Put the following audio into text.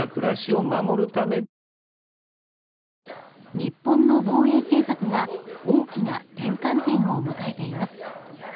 日本の防衛政策が大きな転換点を迎えています。